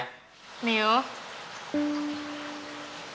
kira kira aku juga